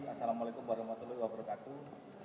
assalamualaikum warahmatullahi wabarakatuh